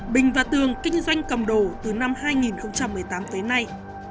bình và tường kinh doanh cầm đồ từ năm hai nghìn một mươi tám tới nay